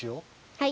はい。